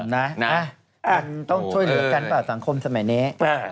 มันต้องช่วยเหลือกันเปล่าสังคมสมัยนี้